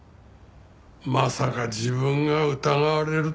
まさか自分が疑われるとはな。